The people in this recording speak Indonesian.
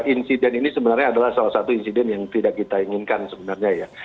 insiden ini sebenarnya adalah salah satu insiden yang tidak kita inginkan sebenarnya ya